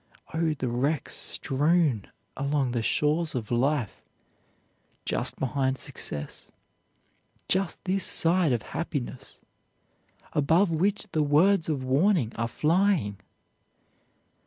Oh, the wrecks strewn along the shores of life "just behind success," "just this side of happiness," above which the words of warning are flying!